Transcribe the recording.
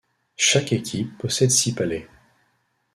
Chaque équipe possède six palets.